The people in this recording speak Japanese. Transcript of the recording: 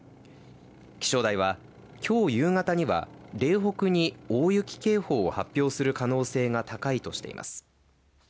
気象台は、きょう夕方には嶺北に大雪警報を発表する可能性が高いとしています。